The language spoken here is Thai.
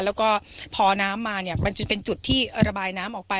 แล้วก็พอน้ำมาเนี่ยมันจะเป็นจุดที่ระบายน้ำออกไป